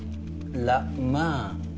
ラマン。